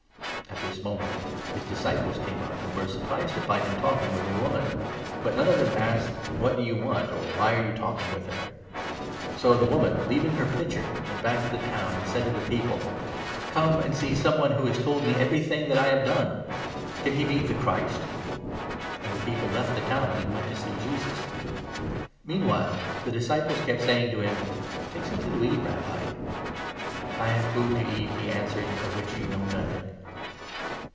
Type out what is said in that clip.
26 At this moment his disciples came up, and were surprised 27 to find him talking with a woman ; but none of them asked ' What do you want ?' or ' Why are you talking with her ?' So the woman, leaving her pitcher, went back to the town, 28 and said to the people : "Come and see someone who has told me everything that 29 I have done. Can he be the Christ ?" And the people left the town and went to see Jesus. 30 Meanwhile the disciples kept saying to him : 31 "Take something to eat, Rabbi." "I have food to eat," he answered, "of which you know 32 nothing."